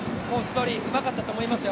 取りうまかったと思いますよ。